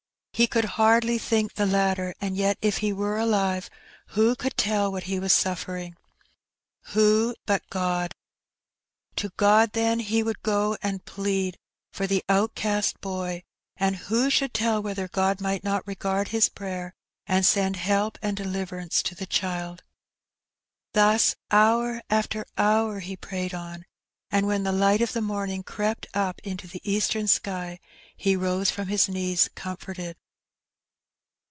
He could hardly think the latter; and yet if he were alive, who could tell what he was suffering? Who but God? To God then he would go and plead for the outcast boy, and who should tell whether God might not regard his prayer and send help and deliverance to the child? Thus hour after hour he prayed on, and when the light of the morning crept up into the eastern sky, he rose from his knees comforted.